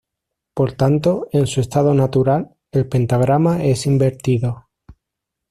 Por tanto, en su estado natural, el pentagrama es invertido.